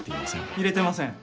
入れてません。